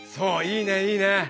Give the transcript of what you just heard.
いいねいいね。